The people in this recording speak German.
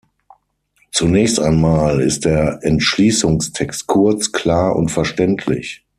Zunächst einmal ist der Entschließungstext kurz, klar und verständlich.